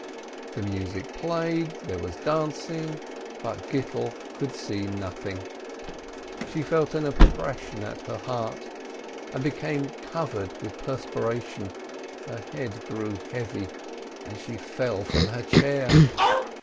The music played, there was dancing, but Gittel could see nothing more. She felt an oppression at her heart, and became covered with perspiration, her head grew heavy, and she fell from her chair.